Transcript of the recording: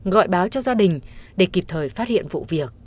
gọi báo cho gia đình để kịp thời phát hiện vụ việc